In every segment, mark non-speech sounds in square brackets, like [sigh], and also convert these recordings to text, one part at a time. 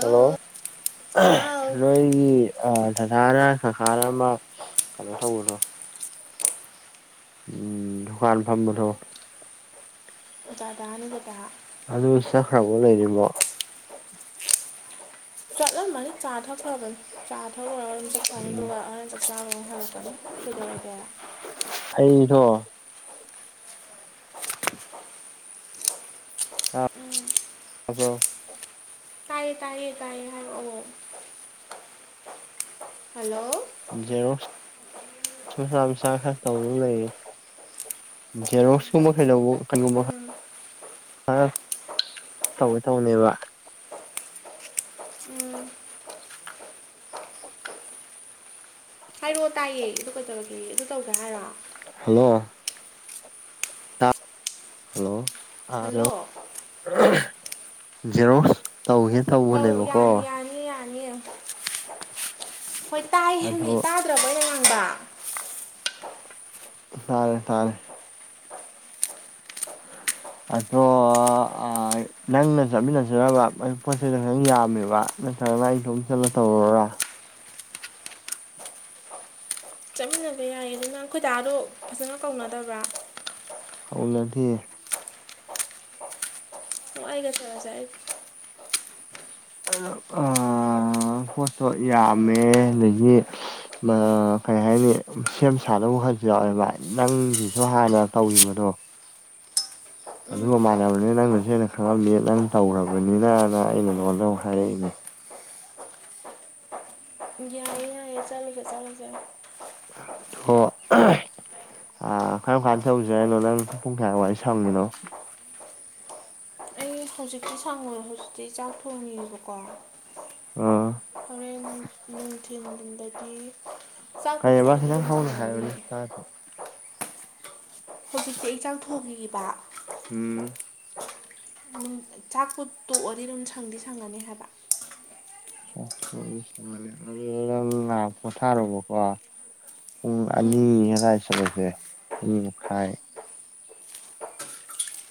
hello ꯍꯥꯎ ꯅꯣꯏꯒꯤ ꯗꯗꯥꯅ ꯁꯁꯥꯅ ꯑꯃ ꯀꯩꯅꯣ ꯇꯧꯕꯅꯣ ꯎꯝ ꯗꯨꯀꯥꯟ ꯐꯝꯕ ꯊꯣ ꯗꯥ ꯅꯅꯤ ꯗꯗꯥ ꯑꯗꯨ ꯆꯥꯛꯈꯕ ꯂꯩꯔꯤꯃꯣ ꯆꯠꯂꯝꯃꯅꯤ ꯆꯥꯊꯈ꯭ꯔꯕꯅꯤ ꯆꯥꯊꯔ ꯑꯣꯏꯔꯔ ꯆꯠ ꯆꯥꯅꯤꯡꯕꯔꯔ ꯆꯞ ꯆꯥꯔ ꯍꯥꯏꯔꯛꯀꯅꯤ ꯀꯩꯗꯧꯔ ꯀꯦꯔꯥ ꯑꯩꯊꯣ ꯑ꯭ꯔꯣ ꯇꯥꯏꯌꯦ ꯇꯥꯏꯌꯦ ꯇꯥꯏꯌꯦ ꯍꯥꯏꯔꯛꯑꯣꯑꯣ ꯍꯜꯂꯣ ꯖꯦꯔꯣꯛ ꯃꯁꯥ ꯃꯁꯥ ꯈꯔ ꯇꯧꯗꯨꯅ ꯂꯩꯌꯦ ꯖꯦꯔꯣꯛꯁ ꯀꯨꯝꯕ ꯀꯩ ꯂꯧꯕ ꯀꯩꯒꯨꯝꯕ ꯎꯝ ꯑ ꯇꯧꯋꯦ ꯇꯧꯅꯦꯕ ꯎꯝ ꯍꯥꯏꯔꯛꯑꯣ ꯇꯥꯏꯌꯦ ꯑꯗꯨ ꯀꯩꯗꯧꯔꯒꯦ ꯑꯗꯨ ꯇꯧꯒ꯭ꯔꯦ ꯍꯥꯏꯔꯣ ꯍꯜꯂꯣ ꯍꯜꯂꯣ ꯑꯔ ꯍꯜꯂꯣ ꯖꯩꯅꯣ ꯇꯧꯕꯒꯦ ꯑꯧ ꯌꯥꯅꯤ ꯌꯥꯅꯤ ꯌꯥꯅꯤ ꯍꯣꯏ ꯑꯗꯣ ꯇꯥꯏꯅꯤꯥꯏ ꯁꯔꯥꯕ ꯂꯣꯥꯡꯕ ꯇꯥꯔꯦ ꯇꯥꯔꯦ ꯑꯗꯣ ꯅꯪꯅ ꯆꯠꯃꯤꯟꯅꯁꯤꯕ ꯑꯩ ꯄꯣꯠ ꯆꯩꯩꯗꯣ ꯈꯤꯇꯪ ꯌꯥꯝꯃꯦꯕ ꯅꯠꯇ꯭ꯔꯒꯅ ꯑꯩꯗꯣꯝ ꯆꯜꯂ ꯇꯧꯔꯔꯥ ꯆꯠꯃꯤꯟꯅꯕ ꯌꯥꯏꯌꯦ ꯑꯗꯨ ꯅꯪ ꯈꯈꯣꯏꯗꯥꯗꯣ ꯐꯖꯅ ꯀꯧꯅꯗꯕ꯭ꯔꯥ ꯐꯥꯎꯂꯗꯤ ꯁꯉꯏꯒ ꯆꯔꯖꯥꯏ ꯑ ꯄꯣꯠꯇꯣ ꯌꯥꯝꯃꯦ ꯑꯗꯒꯤ ꯀꯔꯤ ꯍꯥꯏꯅꯤ ꯁꯦꯝ ꯁꯥꯅꯕꯕꯨ ꯈꯜꯁꯨ ꯌꯥꯎꯋꯦꯕ ꯅꯪꯒꯤꯁꯨ ꯍꯥꯟꯅ ꯇꯧꯈꯤꯕꯗꯣ ꯑꯗꯨꯒ ꯎꯝ ꯃꯥꯟꯅꯕꯅꯤ ꯅꯪꯅꯁꯨ ꯍꯦꯟꯅ ꯈꯪꯉꯝꯅꯤ ꯅꯪ ꯇꯧ꯭ꯔꯔꯕꯅꯤꯅꯅ ꯑꯩꯅ ꯂꯣꯟꯜꯗ ꯍꯥꯏꯔꯛꯏꯅꯦ ꯌꯥꯏꯦ ꯌꯥꯏꯔꯦ ꯆꯠꯂꯤꯁꯦ ꯆꯠꯂꯤꯁꯦ ꯑꯣ ꯑ ꯀꯔꯝ ꯀꯥꯟꯗ ꯇꯧꯖꯛꯏꯅꯣ ꯅꯪ ꯄꯨꯡ ꯀꯌꯥ ꯋꯥꯔꯤ ꯁꯪꯃꯤꯅꯣ ꯑꯩ ꯍꯧꯖꯤꯛꯇꯤ ꯁꯥꯡꯉꯦ ꯍꯧꯖꯤꯛꯇꯤ ꯆꯥꯛ ꯊꯣꯡꯉꯤꯑꯦꯕꯀꯣ ꯑꯥ ꯍꯣꯔꯦꯟ ꯅꯨꯡꯊꯤꯟꯗꯒꯤ ꯆꯥꯛ ꯀꯩꯑꯕ ꯄꯨꯊꯣꯛꯑꯗꯤ ꯈꯤꯇꯪ ꯑꯗꯨꯝ ꯍꯧꯅ ꯍꯥꯏꯌꯨꯅꯦ ꯁꯪꯉꯅꯤꯌꯦ ꯇꯥꯗ꯭ꯔꯦ ꯍꯧꯖꯤꯛꯇꯤ ꯑꯩ ꯆꯥꯡ ꯊꯣꯡꯔꯤꯕ ꯎꯝ ꯆꯥꯛꯄꯣ ꯇꯣꯛꯑꯗꯤ ꯑꯗꯨꯝ ꯁꯪꯗꯤ ꯁꯪꯉꯅꯤ ꯍꯥꯏꯕ ꯑꯗꯨ ꯄꯣꯊꯥꯔꯣꯕꯀꯣ ꯄꯨꯡ ꯎꯝ ꯑꯅꯤ ꯑꯗꯨꯋꯥꯏ ꯁꯠꯂꯁꯦ ꯄ ꯃꯈꯥꯏ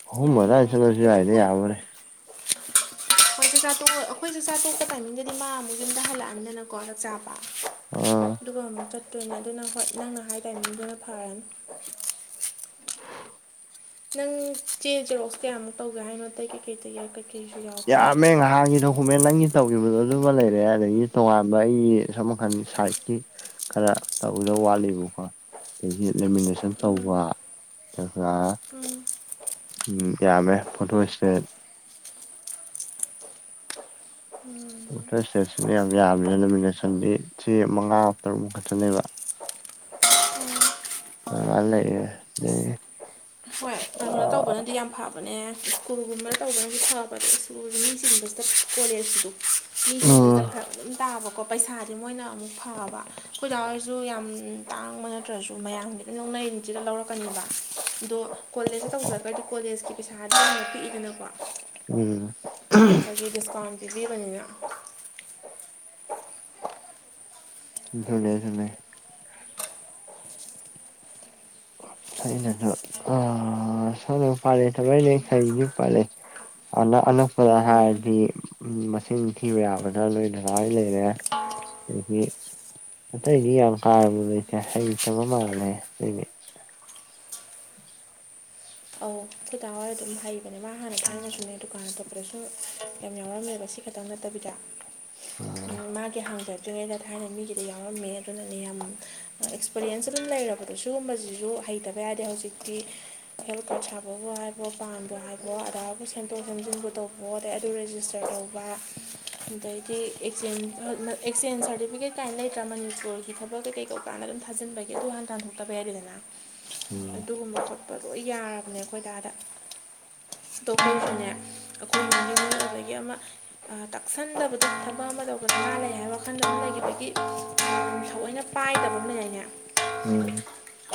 ꯍ ꯌꯥꯏꯌꯦ ꯃꯔ ꯌꯥꯏꯌꯦ ꯆꯂꯁꯨ ꯀꯩꯁꯨ ꯌꯥꯏꯗ ꯌꯥꯕꯔꯦ ꯍꯣꯏꯁꯨ ꯆꯥꯇꯣꯛ ꯑꯩꯈꯣꯏꯁꯨ ꯆꯥꯇꯣꯛꯄ ꯇꯥꯏꯃꯤꯡꯗꯗꯤ ꯃꯥ ꯑꯃꯨꯛ ꯌꯨꯝꯗ ꯍꯜꯂꯛꯑꯝꯗꯅꯀꯣ ꯆꯥꯛꯆꯥꯥꯕ ꯑ ꯑꯗꯨꯒ ꯑꯃꯨꯛ ꯆꯠꯇꯣꯏꯅ ꯑꯗꯨ ꯅꯪ ꯍꯣꯏ ꯅꯪꯅ ꯍꯥꯏ ꯇꯥꯏꯃꯤꯡꯗꯨꯅ ꯐꯔꯅꯤ [inaudible] ꯅꯪ ꯆꯦ ꯆꯦꯔꯣꯛꯁ ꯀꯌꯥꯃꯨꯛ ꯇꯧꯒꯦ ꯍꯥꯏꯅꯣ ꯑꯇꯩ ꯀꯩꯀꯩꯗꯎ ꯀꯣ ꯌꯥꯝꯃꯦ ꯉꯥꯏꯍꯥꯛꯒꯤꯗꯣ ꯗꯣꯀꯨꯃꯦꯟ ꯅꯪꯒꯤ ꯇꯧꯈꯤꯕꯗꯣ ꯑꯗꯨꯃ ꯂꯩꯔꯦ ꯑꯗꯒꯤ ꯇꯣꯉꯥꯟꯕ ꯑꯩꯒꯤ ꯁꯝ ꯃꯈꯜꯒꯤ ꯁꯥꯏꯠꯀꯤ ꯈꯔ ꯇꯧꯗ ꯋꯥꯠꯂꯤꯕꯀꯣ ꯑꯗꯒꯤꯗꯒꯤ ꯂꯦꯃꯤꯅꯦꯁꯟ ꯎꯝ ꯇꯧꯕ ꯎꯝ ꯎꯝ ꯌꯥꯃꯦ ꯄꯣꯇꯣꯁꯤꯦ ꯑꯣꯇꯔ ꯏꯁꯇꯦꯠꯁꯤꯅ ꯌꯥꯝ ꯌꯥꯕꯅꯤꯅ ꯅꯣꯃꯤꯅꯦꯁꯟꯗꯤ ꯁꯤ ꯃꯉꯥ ꯇꯔꯨꯛꯃꯨꯛ ꯈꯠꯇꯅꯦꯕ ꯃꯥ ꯂꯩ ꯈꯪ ꯇꯧꯕꯅꯗꯤ ꯌꯥꯝ ꯐꯕꯅꯦ ꯁ꯭ꯀꯨꯜꯒꯨꯝꯕꯅ ꯇꯧꯕꯅꯗꯤ ꯐꯕ ꯁ꯭ꯀꯨꯜꯕ ꯃꯤ ꯁꯤꯒꯨꯝꯕꯁꯤꯗ ꯀꯣꯂꯦꯖꯁꯤꯗ ꯃꯤꯁꯤꯡꯗꯁꯤꯗ ꯎꯝ ꯐꯔ ꯑꯗꯨꯝ ꯇꯥꯕ ꯀꯣ ꯄꯩꯁꯥꯗꯤ ꯃꯣꯏꯅ ꯑꯃꯨꯛ ꯐꯕ ꯑꯩꯈꯣꯏꯖꯥ ꯑꯣꯏꯔꯁꯨ ꯌꯥꯝ ꯇꯥꯡꯕ ꯅꯠꯇ꯭ꯔꯁꯨ ꯃꯌꯥꯝ ꯍꯧꯖꯤꯛꯀ ꯌꯧꯅꯔꯤꯅꯤꯁꯤꯗ ꯂꯧꯔꯛꯀꯅꯦꯕ ꯑꯗꯣ ꯀꯣꯂꯦꯖꯇ ꯇꯧꯔꯒꯗꯤ ꯀꯣꯂꯦꯖꯀꯤ ꯄꯩꯁꯥꯗ ꯌꯥꯝꯛ ꯄꯤꯛꯏꯗꯅꯀꯣ ꯎꯝ ꯁꯥꯔꯇ꯭ꯔꯒꯤ ꯗꯤꯁꯀꯥꯎꯟ ꯏꯗꯤꯕꯅꯤꯅ ꯊꯂꯁ ꯅ ꯑꯩꯅꯁꯨ ꯑ ꯁꯣꯝꯅ ꯄꯥꯜꯂꯦ ꯊꯃꯩ ꯍꯩꯗꯤ ꯄꯥꯜꯂꯦ ꯑꯅ ꯑꯅꯄꯗ ꯍꯥꯏꯗꯤ ꯃꯁꯤꯡ ꯊꯤꯕ ꯌꯥꯕꯗ ꯂꯣꯏ ꯗꯔꯥꯏ ꯂꯩꯔꯦ ꯑꯗꯒꯤ ꯑꯇꯩꯗꯤ ꯌꯥꯝ ꯀꯥꯔꯕ ꯂꯩꯇꯦ ꯍ ꯆꯕ ꯃꯥꯜꯂꯦ ꯑꯇꯩꯗꯤ ꯑꯐꯇꯥꯋꯥꯔ ꯑꯗꯨꯝ ꯍꯩꯕꯅꯦ ꯃꯥ ꯍꯥꯟꯅ ꯈꯥꯡꯉꯁꯨꯅꯦ ꯗꯨꯀꯥꯟ ꯑꯇꯣꯞꯄꯗꯁꯨ ꯌꯥꯝ ꯌꯥꯎꯔꯝꯃꯦꯕ ꯁꯤ ꯑꯥ [unintelligible] ꯃꯥꯒꯤ ꯍꯥꯡꯖꯔꯦ ꯊꯥꯏꯅ ꯃꯤꯒꯤꯗ ꯌꯥꯎꯔꯝꯃꯦ ꯑꯗꯨꯅꯅꯦ ꯍꯥꯏꯕꯥ ꯑꯦꯛꯁꯄꯔꯤꯌꯦꯟꯁ ꯑꯗꯨꯝ ꯂꯩꯔꯕꯗꯨꯁꯨ ꯃꯁꯤꯁꯨ ꯍꯩꯇꯕ ꯌꯥꯗꯦ ꯍꯧꯖꯤꯛꯇꯤ ꯍꯦꯜ ꯀꯥꯔꯠ ꯁꯥ ꯑꯐꯕꯕꯨ ꯍꯥꯏꯕꯣ ꯄꯥꯟꯕꯕꯨ ꯍꯥꯏꯕꯣ ꯑꯗꯥꯕꯨ ꯁꯦꯝꯗꯣꯛ ꯁꯦꯝꯖꯤꯟꯕꯨ ꯇꯧꯕꯣ ꯑꯗꯩ ꯑꯗꯨ ꯔꯦꯖꯤꯁꯇꯔ ꯇꯧꯕ ꯑꯩꯗꯤ ꯑꯦꯛꯆꯦꯟꯖ ꯁꯥꯔꯇꯤꯐꯤꯀꯦꯠ ꯀꯥꯏꯅ ꯂꯩꯇ꯭ꯔ ꯃꯅꯤ ꯏꯁ꯭ꯀꯣꯔꯜꯒꯤ ꯊꯕꯛ ꯑ ꯀꯩ ꯀꯩ ꯀꯧ ꯀꯥꯟꯗ ꯑꯗꯨꯝ ꯊꯥꯖꯤꯟꯕꯒꯤꯦ ꯑꯗꯨ ꯍꯥꯟ ꯇꯟꯊꯣꯛꯇꯕ ꯌꯥꯏꯗꯦꯗꯅ ꯎꯝ ꯑꯗꯨꯒꯨꯝꯕ ꯈꯣꯠꯄ ꯂꯣꯏ ꯌꯥꯔꯕꯅꯦ ꯑꯩꯈꯣꯏ ꯗꯥꯗ [unintelligible] ꯇꯥꯛꯁꯟꯗꯕꯗ ꯊꯕꯛ ꯑꯃ ꯇꯧꯕ ꯗꯔꯀꯥꯔ ꯂꯩ ꯍꯥꯏꯕ ꯋꯥꯈꯜꯗꯨ ꯑꯃ ꯂꯩꯈꯤꯕꯒꯤ ꯊꯑꯣꯏꯅ ꯄꯥꯏꯗꯕ ꯑꯃꯅꯦ ꯂꯩꯅꯦ ꯎꯝ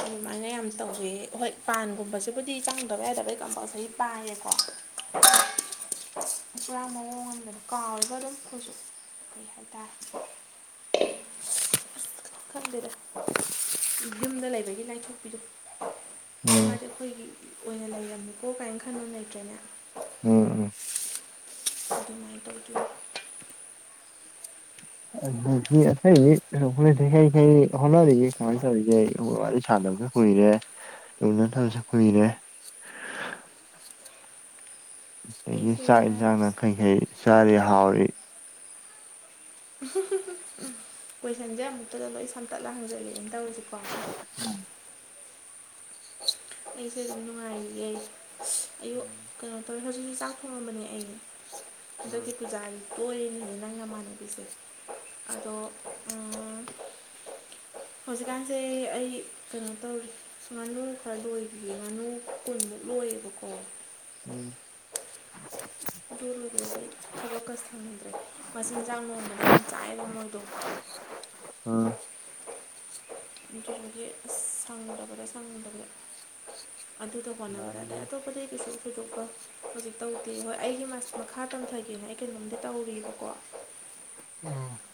ꯑꯗꯨꯃꯥꯏꯅ ꯌꯥꯝ ꯇꯧꯖꯩꯌꯦ ꯍꯣꯏ ꯄꯥꯟꯒꯨꯝꯕꯁꯦ ꯕꯨꯗꯤ ꯆꯪꯗꯕ ꯌꯥꯗꯕꯩ ꯀꯝꯄꯜꯁꯔꯤ ꯄꯥꯏꯌꯦꯀꯣ ꯏ ꯌꯥꯝ ꯃꯑꯣꯡꯗꯗ ꯀꯥꯎꯔꯒ ꯑꯗꯨꯝꯁꯨ ꯐ ꯈꯝꯗꯦꯔꯥ ꯂꯨꯝꯗ ꯂꯩꯕꯗꯤ ꯂꯥꯏꯊꯣꯛꯄꯤꯔꯣ ꯎꯝ ꯃꯥꯗꯤ ꯑꯩꯈꯣꯏꯒꯤ ꯑꯣꯏꯅ ꯂꯩꯔꯝꯃꯦꯀꯣ ꯀꯥꯏꯅ ꯈꯟꯅꯣ ꯂꯩꯇ꯭ꯔꯦꯅꯦ ꯎꯝ ꯎꯝ ꯑꯗꯨꯃꯥꯏꯅ ꯇꯧꯗꯣꯏꯅꯦ ꯑꯗꯨ ꯑꯁꯣꯏꯗꯤ ꯍꯩ ꯀꯩ ꯍꯣꯠꯅꯔꯤꯒꯦ ꯀꯃꯥꯏꯅ ꯇꯧꯔꯤꯒꯦ ꯑꯩ ꯋꯥꯔꯤ ꯁꯥꯟꯅꯕꯗꯣ ꯀꯨꯏꯔꯦ ꯎꯅꯗꯕꯁꯨ ꯀꯨꯏꯔꯦ ꯑꯗꯒꯤ ꯑꯩꯁꯦ ꯆꯥꯛ ꯌꯦꯟꯁꯥꯡꯅ ꯀꯩ ꯀꯩ ꯆꯥꯔꯤ ꯍꯥꯎꯔꯤ ꯀꯣꯏꯁꯟꯁꯦ ꯑꯃꯨꯛꯇꯗ ꯂꯣꯏ ꯁꯝꯇꯠꯂꯒ ꯍꯪꯖꯜꯂꯛꯑ ꯇꯧꯔꯤꯁꯤꯀꯣ [inaudible] ꯑꯩꯁꯦ ꯑꯗꯨꯝ ꯅꯨꯡꯉꯥꯏꯔꯤꯌꯦ ꯑꯩ ꯑꯌꯨꯛ ꯎꯝ ꯀꯩꯅꯣ ꯍꯣꯏ ꯍꯧꯖꯤꯛ ꯆꯥꯛ ꯊꯣꯡꯉꯝꯕꯅꯦ ꯑꯩ ꯍꯟꯗꯛꯀꯤ ꯄꯨꯖꯥꯒꯤ ꯂꯣꯏꯔꯤꯅꯤꯅꯦ ꯅꯪꯒꯃꯥꯟꯅꯕꯤꯁꯦ ꯑꯗꯣ ꯍꯧꯖꯤꯛꯀꯥꯟꯁꯦ ꯑꯩ ꯀꯩꯅꯣ ꯇꯧꯔꯤ ꯉꯥꯅꯨ ꯈꯔ ꯂꯣꯏꯕꯒꯦ ꯉꯥꯅꯨ ꯀꯨꯟꯃꯨꯛ ꯂꯣꯏꯌꯦꯕꯀꯣ [inaudible] ꯑꯗꯨ ꯂꯣꯏꯕꯗꯗꯤ ꯊꯕꯛꯀ ꯊꯪꯗꯦ ꯃꯆꯤꯟꯖꯥꯛ ꯅꯣꯡꯃꯗ ꯌꯥꯝ ꯆꯥꯏꯔ ꯃꯣꯏꯗꯣ ꯎꯝ ꯒꯤ ꯁꯪꯉꯨꯔꯕꯗꯥ ꯁꯪꯉꯨꯕꯗ ꯑꯗꯨꯗ ꯍꯣꯟꯅꯕꯗꯥ ꯌꯥꯅꯤ ꯑꯗꯞ [unintelligible] ꯍꯧꯖꯤꯛ ꯇꯧꯗꯦ ꯍꯣꯏ ꯑꯩꯒꯤ ꯃꯈꯥ ꯇꯝꯊꯒꯦꯅ ꯑꯩ ꯀꯩꯅꯣꯝꯗꯤ ꯇꯧꯔꯤꯑꯀꯣ [inaudible]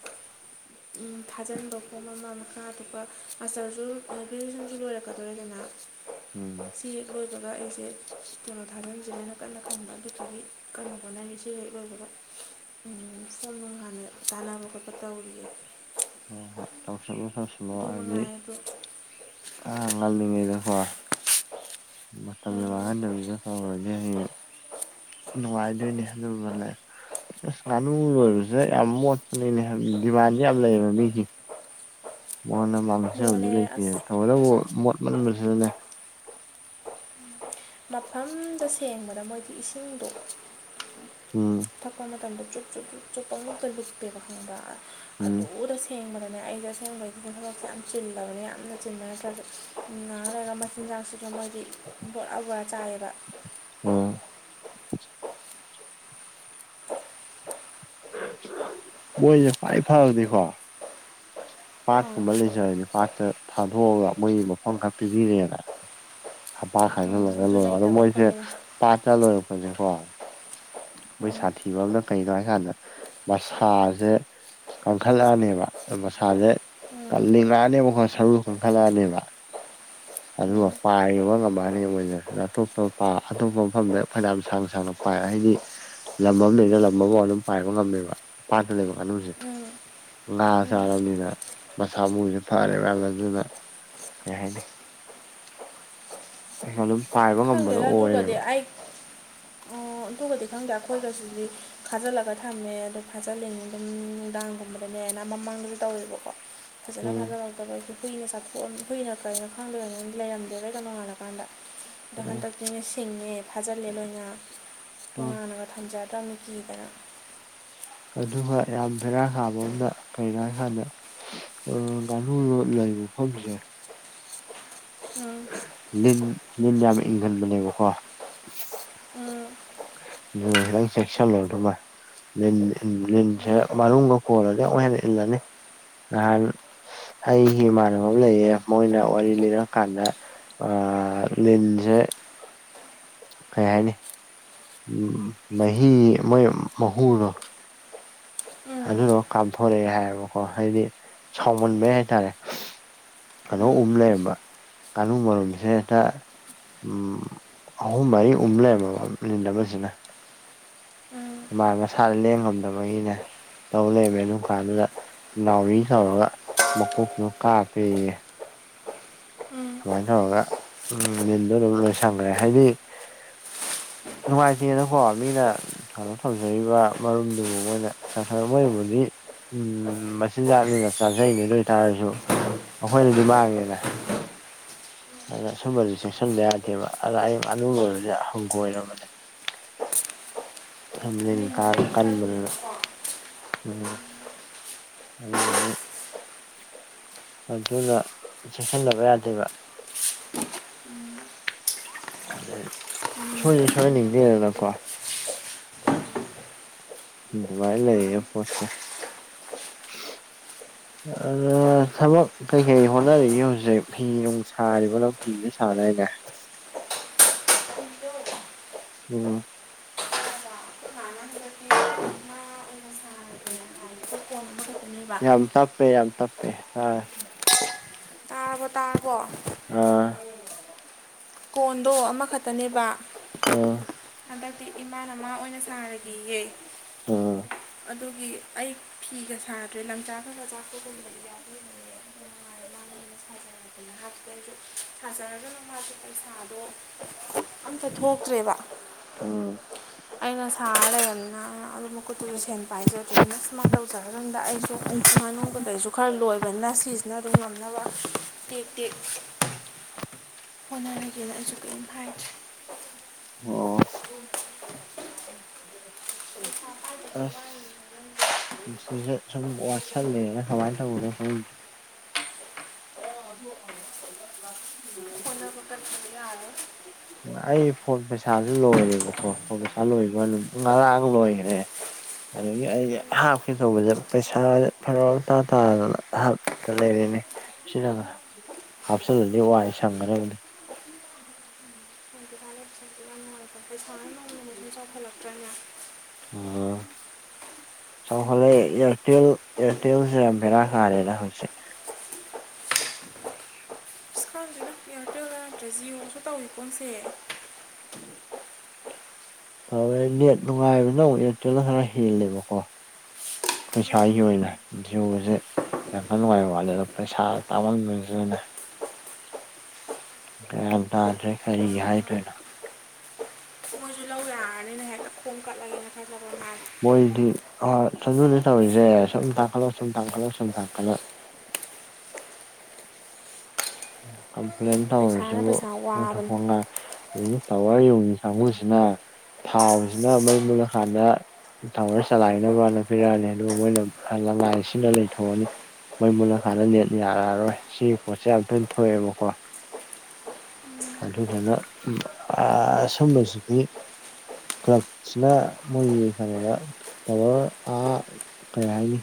ꯊꯥꯖꯤꯟꯕ ꯐꯣꯝ ꯑꯃ ꯃꯈꯥ ꯑꯇꯣꯞꯄ ꯃꯥꯁꯇꯔꯁꯨ ꯒ꯭ꯔꯦꯖꯨꯋꯦꯁꯟꯁꯨ ꯂꯣꯏꯔꯛꯀꯗꯣꯏꯦꯗꯅ [unintelligible] ꯁꯤ ꯂꯣꯏꯕꯒ ꯑꯩꯁꯦ ꯀꯣꯂꯣ ꯊꯥꯕꯁꯤꯅꯦꯅ ꯀꯟꯅ ꯇꯧꯅꯕꯒꯤꯒꯤ ꯀꯥꯟꯕꯣꯅ ꯏꯗꯤ ꯂꯩ ꯑꯣꯏꯕꯕ ꯆꯥꯅꯕ ꯈꯣꯠꯄ ꯇꯧꯔꯤꯌꯦ ꯍꯣꯏ ꯍꯣꯢ ꯇꯧꯁꯤꯜꯂꯣ ꯇꯣꯏꯁꯤꯜꯂꯣ ꯑꯗꯨ ꯍꯥꯏꯕꯗꯤ ꯃꯉꯥꯏ ꯑꯗꯣ ꯑ ꯉꯜꯂꯤꯉꯩꯗꯀꯣ ꯃꯇꯝ ꯃꯥꯡꯍꯟꯗꯕꯤꯗ ꯇꯧꯔꯁꯦ ꯍꯌꯦꯡ ꯅꯨꯡꯉꯥꯏꯗꯣꯏꯅꯦ ꯑꯗꯨ ꯃꯥꯜꯂ ꯉꯅꯨ ꯂꯣꯏꯕꯁꯦ ꯌꯥꯝ ꯃꯣꯠꯄꯅꯤꯅꯦ ꯗꯤꯃꯥꯟꯁꯨ ꯌꯥꯝ ꯂꯩꯌꯦꯕ ꯃꯤꯒꯤ ꯃꯣꯟꯟꯅ ꯃꯥꯡꯅꯁꯤꯕꯗꯤ ꯃꯣꯜꯂꯦ ꯂꯩꯇꯦ ꯑꯁ ꯊꯗꯕꯨ ꯃꯣꯠ ꯃꯁꯨꯂ ꯃꯐꯝꯗ ꯁꯦꯡꯕꯗ ꯃꯣꯏꯗꯤ ꯏꯁꯤꯡꯗꯣ ꯎꯝ ꯊꯛꯄ ꯃꯇꯝꯗ ꯆꯨꯞ ꯆꯨꯞ ꯆꯨꯞ ꯆꯨꯞꯄ ꯑꯃꯨꯛꯇ ꯂꯤꯄꯦꯕ ꯈꯪꯕ ꯎꯝ ꯑꯗꯨꯔ ꯁꯦꯡꯕꯗꯅꯦ ꯑꯩꯁ ꯑꯁꯦꯡꯕꯩꯗꯨꯗꯤ ꯊꯣꯔꯛꯁꯦ ꯌꯥꯝ ꯆꯤꯜꯍꯧꯔꯦ ꯌꯥꯝꯅ ꯆꯤꯟꯅꯔ ꯐ ꯉꯍꯥꯛ ꯂꯩꯔꯒꯥ ꯃꯣꯏꯗꯤ ꯃꯆꯤꯟꯖꯥꯛꯁꯤꯁꯨ ꯃꯣꯏꯗꯤ ꯕꯣꯔꯥ ꯕꯣꯔꯥ ꯆꯥꯏꯌꯦꯕ ꯑꯣ ꯃꯣꯏꯁꯦ ꯈ꯭ꯋꯥꯏ ꯐꯕꯗꯤꯀꯣ ꯄꯥꯠꯀꯨꯝꯕ ꯂꯩꯖꯔꯒ ꯄꯥꯠꯇ ꯊꯥꯗꯣꯛꯑꯒ ꯃꯣꯏꯒꯤ ꯃꯐꯝ ꯈ ꯄꯤꯕꯤꯔꯦꯅ ꯍꯥꯄꯥ ꯈꯥꯏꯖꯤꯜꯂꯒ ꯂꯣꯏꯔ ꯑꯗꯣ ꯃꯣꯏꯁꯦ ꯄꯥꯠꯇ ꯂꯣꯏꯔꯛꯄꯁꯦꯀꯣ ꯃꯣꯏ ꯁꯥꯊꯤꯕ ꯑꯃꯅ ꯀꯅꯣ ꯍꯥꯏꯀꯥꯟꯗ ꯃꯁꯥꯁꯦ ꯀꯪ ꯈꯠꯂꯥꯛ ꯑꯥꯅꯤꯕꯥ ꯃꯁꯥꯁꯦ ꯀꯜꯂꯤꯉꯛꯑꯅꯦꯕ ꯑꯩꯏ ꯁꯔꯨ ꯈꯟꯈꯠꯂꯛꯑꯅꯦꯕ ꯑꯗꯨꯒ ꯄꯥꯏꯕ ꯉꯝꯃꯛꯑꯅꯤ ꯃꯣꯏꯅꯇꯣꯞ ꯑꯇꯣꯞꯄ ꯃꯐꯝꯗ ꯐꯅ ꯁꯥꯡꯅ ꯁꯥꯡꯅ ꯄꯥꯏ ꯍꯥꯏꯗꯤ ꯂꯝ ꯑꯃ ꯂꯩꯅ ꯂꯝ ꯑꯃ ꯑꯗꯨꯝ ꯄꯥꯏꯕ ꯉꯝꯃꯦꯕ ꯄꯥꯠꯇ ꯂꯩꯕꯥ ꯉꯥꯅꯨꯁꯦ ꯉꯥ ꯆꯥꯔꯝꯅꯤꯅ ꯃꯁꯥ ꯃꯥꯎꯁꯦ ꯐꯔꯦ ꯃꯌꯥꯝꯅꯥ ꯑꯗꯨꯅ ꯀꯩ ꯍꯥꯏꯅꯤ ꯍꯜꯂꯣ ꯈꯪꯗꯦꯗ ꯑꯗꯨꯒꯗꯤ ꯑꯩ ꯑꯗꯨꯒꯗꯤ ꯈꯪꯗꯦ ꯑꯩꯈꯣꯏꯒꯁꯨꯗꯤ ꯐꯥꯖꯤꯜꯂꯒ ꯊꯝꯃꯦ ꯑꯗꯨ ꯐꯥꯖꯤꯜꯂꯤ ꯑꯗꯨꯝ ꯅꯨꯡꯗꯥꯡꯒꯨꯝꯕꯗꯅꯦ ꯍꯥꯏꯅ ꯃꯃꯥꯡꯗꯁꯨ ꯇꯧꯋꯦꯕꯀꯣ ꯐꯖꯅ ꯎꯝ ꯐꯥꯖꯔꯛꯇꯕ ꯑꯩꯁꯦ ꯍꯨꯏꯅ ꯆꯥꯛꯊꯣꯛꯑ ꯍꯨꯏꯅ ꯀꯔꯤꯣ ꯈꯪꯗꯣꯏꯔ ꯂꯩꯔꯝꯗꯦꯕꯩꯗꯣꯥꯟꯜꯂꯀꯥꯟꯗ ꯑꯗꯣ ꯎꯝ ꯍꯟꯗꯛꯇꯤꯅ ꯁꯤꯡꯉꯦ ꯐꯥꯖꯤꯜꯂꯦ ꯂꯣꯏꯅ ꯎꯝ ꯇꯣꯉꯥꯟꯅꯒ ꯊꯝꯖꯗ꯭ꯔꯕꯅꯤ ꯀꯤꯗꯅ ꯑꯗꯨꯒ ꯌꯥꯝ ꯚꯦꯔꯥ ꯍꯥꯕ ꯑꯃꯅ ꯀꯔꯤꯒꯤꯅꯣ ꯍꯥꯏ ꯀꯥꯟꯗ ꯎꯝ ꯉꯥꯅꯨ ꯂꯩꯕ ꯃꯐꯝꯁꯦ ꯎꯝ ꯂꯤꯟ ꯂꯤꯟ ꯌꯥꯝ ꯏꯪꯒꯟꯕꯅꯦꯕꯀꯣ ꯎꯝ ꯅꯡ ꯆꯦꯛꯁꯜꯂꯣ ꯑꯗꯨꯃꯥ ꯂꯤ ꯎꯝ ꯂꯤꯟꯁꯦ ꯃꯅꯨꯡꯗꯒ ꯀꯣꯟꯂꯗꯤ ꯑꯃꯨꯛ ꯍꯦꯟꯅ ꯏꯜꯂꯅꯤ ꯅꯍꯥꯟ ꯑꯩ ꯏꯃꯥꯟꯅꯕ ꯑꯃ ꯂꯩꯌꯦ ꯃꯣꯏꯅ ꯋꯥꯔꯤ ꯂꯤꯔꯥ ꯀꯥꯟꯗ ꯑ ꯂꯤꯟꯖꯦ ꯀꯩ ꯍꯥꯏꯅꯤ ꯎꯝ ꯃꯍꯤ ꯃꯣꯏ ꯃꯍꯨꯗꯣ ꯑꯗꯨꯅ ꯀꯥꯝꯊꯣꯔꯛꯑꯦ ꯍꯥꯏꯌꯦꯕꯀꯣ ꯍꯥꯏꯗꯤ ꯁꯥꯎꯃꯟꯕꯩ ꯍꯥꯏꯇꯥꯔꯦ ꯎꯝ ꯀꯩꯅꯣ ꯎꯝ ꯑꯝ ꯂꯩꯔꯝꯕ ꯉꯥꯅꯨ ꯃꯇꯨꯝꯁꯦ ꯍꯦꯛꯇ ꯎꯝ ꯑꯍꯨꯝ ꯃꯔꯤ ꯎꯨꯝ ꯂꯩꯔꯝꯃꯥꯕꯥ ꯂꯤꯟ ꯑꯃꯁꯤꯅ ꯎꯝ ꯃꯥ ꯃꯁꯥꯗ ꯂꯦꯡꯉꯝꯗꯕꯒꯤꯅꯦ ꯇꯧ ꯂꯩꯔꯝꯃꯦ ꯑꯗꯨꯀꯥꯟꯗꯨꯗ ꯅꯥꯎꯔꯤ ꯇꯧꯔꯒ ꯃꯀꯣꯛꯇꯨꯗ ꯀꯞꯄꯦꯌꯦ ꯎꯝ ꯑꯗꯨꯃꯥꯏꯅ ꯇꯧꯔꯒ ꯎꯝ ꯅꯤꯟꯗꯣ ꯑꯗꯨꯝ ꯂꯣꯏ ꯁꯟꯈ꯭ꯔꯦ ꯍꯥꯏꯗꯤ ꯅꯨꯡꯉꯥꯏꯇꯦꯅꯀꯣ ꯃꯤꯅ ꯊꯥꯟꯅ ꯊꯧꯖꯔꯤꯕ ꯃꯔꯨꯝꯗꯨꯕꯨ ꯃꯣꯏꯅ ꯆꯊ ꯃꯣꯏꯅꯥꯕꯨꯗꯤ ꯎꯝ ꯃꯆꯤꯟꯖꯥꯛꯅꯤꯅ ꯆꯥꯖꯩꯅꯤ ꯑꯗꯨ ꯑꯣꯏꯇꯥꯥꯔꯁꯨ ꯑꯩꯈꯣꯏꯗꯗꯤ ꯃꯥꯡꯉꯦꯅ ꯑꯗꯨꯅ ꯁꯨꯝꯕꯗꯤ ꯆꯦꯛꯁꯤꯟꯕ ꯌꯥꯗꯦꯕ ꯑꯗ ꯅꯥꯅꯨ ꯂꯣꯏꯕꯁꯦ ꯍꯪꯒꯣꯏꯔꯕꯅꯦ ꯂꯤꯟ ꯃꯤꯡꯁꯦ ꯀꯥꯡ ꯌꯥꯝ ꯀꯟꯕꯅꯤꯅꯥ ꯄꯜꯂꯤꯗꯅꯀꯣ ꯑꯗꯨꯗꯒꯤ ꯑꯗꯨꯅ ꯆꯦꯛꯁꯤꯟꯗꯕ ꯌꯥꯗꯦꯕ ꯑꯗꯩ ꯃꯤꯡꯁꯦ ꯁꯣꯏꯁꯨ ꯑꯁꯦꯡꯕ ꯌꯥꯝ ꯄꯜꯂꯤ ꯁꯣꯏꯍꯟꯅꯤꯡꯗꯦꯗꯅꯀꯣ ꯑꯗꯨꯃꯥꯏꯅ ꯂꯩꯌꯦ ꯃꯥꯟꯕꯤꯗꯣ ꯄꯣꯠꯁꯦ ꯊꯕꯛ ꯀꯩꯀꯩ ꯍꯣꯠꯅꯔꯤꯒꯦ ꯍꯧꯖꯤꯛ ꯐꯤ ꯅꯨꯡ ꯁꯥꯔꯤꯕꯤ ꯅꯪ ꯐꯤ ꯁꯨ ꯁꯥꯗꯥꯏꯅꯦ ꯎꯝ ꯂꯅꯥ ꯀ ꯀꯔꯤꯕꯥ ꯌꯥꯝ ꯇꯞꯄꯦ ꯌꯥꯝ ꯇꯞꯄꯦ ꯇꯥꯗꯔꯦ ꯇꯥꯔꯕ ꯇꯥꯔꯕꯣ ꯑꯥ ꯀꯣꯟꯗꯣ ꯑꯃꯈꯛꯇꯅꯦꯕ ꯑꯥ ꯍꯟꯗꯛꯇꯤ ꯏꯃꯥꯅ ꯃ ꯑꯣꯏꯅ ꯁꯥꯔꯒꯦꯌꯦ ꯑꯥ ꯑꯗꯨꯒꯤ ꯑꯩ ꯐꯤꯒ ꯁꯥꯗ꯭ꯔꯦ ꯂꯪꯆꯥꯛ ꯈꯔꯥ ꯈꯔꯥ ꯆꯥꯛꯄꯒꯨꯝꯕ ꯊꯖꯔ ꯑꯗꯨꯅꯨꯡꯉ ꯁꯥꯥꯗꯣ ꯑꯝꯇꯥ ꯊꯣꯛꯇ꯭ꯔꯦꯕ ꯎꯝ ꯑꯩꯅ ꯁꯥꯕ ꯂꯩꯒꯝ [inaudible] ꯃꯈꯀꯨꯠꯇꯨꯁꯨ ꯁꯦꯟ ꯄꯥꯏꯖꯗꯗꯅ ꯁꯨꯃꯥꯏꯅ ꯇꯧꯖꯔ ꯑꯗꯨꯗ ꯑꯩꯁꯨ ꯉꯥꯅꯨ ꯀ ꯀꯩꯁꯨ ꯈꯔ ꯂꯣꯏꯕꯅꯤꯅ ꯁꯤꯁ ꯅ ꯑꯗꯨꯝ ꯉꯝꯅꯕ ꯇꯦꯛ ꯇꯦꯛ ꯍꯣꯠꯅꯔꯒꯦꯅ ꯑꯗꯨꯁꯨ ꯀꯔꯤꯝ ꯍꯥꯏ ꯑꯣ ꯑ ꯁ ꯋꯥꯁ ꯂꯩꯦ ꯍꯥꯏꯣ ꯑꯗꯨ ꯂ ꯌꯥꯔꯔꯣꯏ ꯎꯝ ꯑꯩ ꯐꯣꯟ ꯄꯩꯁꯥꯁꯨ ꯂꯣꯏꯔꯦꯕꯀꯣ ꯐꯣꯟ ꯄꯩꯁꯥ ꯂꯣꯏꯕ꯭ꯔꯃꯤ ꯉꯔꯥꯡ ꯂꯣꯏꯈ꯭ꯔꯦ ꯑꯗꯒꯤ ꯑꯩ ꯍꯥꯞꯀꯦ ꯇꯧꯕꯁꯦ ꯄꯩꯁꯥꯁꯦ ꯐꯔꯛ ꯑꯃꯥ ꯏꯇꯥ ꯇꯥꯗꯅ ꯍꯞ ꯇꯥ ꯂꯩꯔꯦꯅꯦ ꯍꯥꯞꯆꯜꯂꯗꯤ ꯋꯥꯏ ꯁꯪꯒ꯭ꯗꯕꯅꯦ ꯍꯧꯖꯤꯛꯀꯥꯟꯗꯤ ꯄꯩꯁꯥꯁꯨ ꯎ ꯎ ꯎ ꯍꯂꯛꯄ꯭ꯔꯅ ꯑꯣ ꯆꯥꯎꯈꯠꯂꯦ ꯏꯌꯥꯔꯇꯦꯜ ꯑꯦꯌꯥꯔꯇꯦꯜꯁꯤ ꯌꯥꯝ ꯕꯦꯔꯥ ꯀꯥꯔꯦꯅ ꯍꯧꯖꯤꯛꯁꯦ ꯁꯤ ꯈꯗꯄꯤ ꯌꯥꯇꯣ ꯑ꯭ꯔꯖꯤꯨ ꯈ ꯇꯧꯔꯤꯀꯣꯁꯦ [inaudible] ꯇꯧꯋꯦ ꯅꯦꯠ ꯅꯨꯡꯉꯥꯏꯕ ꯅꯪ ꯑꯦꯌꯥꯔꯇꯦꯜꯗ ꯈꯔ ꯍꯦꯜꯂꯦꯕꯀꯣ ꯑꯩꯈꯣꯏ ꯏꯁꯥꯒꯤ ꯑꯣꯏꯅ ꯒꯁꯦ ꯌꯥꯝꯈ ꯅꯨꯡꯉꯥꯏꯕ ꯋꯥꯠꯂꯦ ꯑꯗꯣ ꯄꯩꯁꯥ ꯇꯥꯃꯟꯗꯣꯏꯅꯤꯁꯨ ꯅꯅꯦ ꯀꯌꯥ ꯇꯗ꯭ꯔꯦ ꯀꯔꯤ ꯍꯥꯏꯗꯣꯏꯅꯣ ꯃꯣꯏꯁꯨ ꯂꯧꯔ ꯌꯥꯔꯅꯤꯅ ꯍꯦꯛ ꯈꯣꯡ ꯀꯠꯂꯒꯦꯅ ꯈꯜꯖꯕ ꯃꯥꯁꯦ ꯍꯣꯏꯗꯤ ꯍ ꯆꯅꯨꯗꯤ ꯇꯧꯔꯤꯁꯦ ꯁꯨꯝ ꯇꯥꯡꯈꯠꯂꯛ ꯁꯨꯝ ꯇꯥꯡꯈꯠꯂꯛ ꯁꯨꯝ ꯇꯥꯡꯀꯠꯂꯛ ꯀꯝꯄ꯭ꯂꯟ ꯇꯕꯨꯁꯨ ꯄꯩꯁꯥꯅ ꯄꯩꯁꯥ ꯋꯥꯕꯅꯤ ꯐ ꯑꯗꯨ ꯇꯋꯥꯔ ꯌꯣꯡꯉꯤ ꯀꯥꯡꯕꯨꯁꯤꯅ ꯊꯥꯎꯁꯤꯅ ꯃꯩ ꯃꯨꯂ ꯍꯥꯟꯅ ꯇꯋꯔ ꯆꯂꯥꯏꯅꯕꯅ ꯄꯤꯔꯛꯑꯅꯤ ꯑꯗꯨꯒ ꯃꯣꯏꯅ ꯂꯅꯥꯥꯏ ꯑꯁꯤꯟꯅ ꯂꯩꯊꯣꯛꯑꯅꯤ ꯃꯣꯏ ꯃꯨꯜꯂꯀꯥꯟꯗ ꯅꯦꯠ ꯌꯥꯔꯛꯑꯔꯣꯏ ꯁꯤꯒꯤ ꯄꯣꯠꯁꯦ ꯌꯥꯝ ꯊꯣꯏꯅ ꯊꯣꯛꯑꯦꯕꯀꯣ ꯑꯗꯨꯣꯏꯗꯅ ꯑꯁꯝꯕꯁꯤꯗꯤ ꯀ꯭ꯂꯞ ꯁꯤꯅ ꯃꯣꯏꯒꯤ ꯍꯥꯏꯅ ꯇꯔ ꯀꯔꯤ ꯍꯥꯏꯅꯤ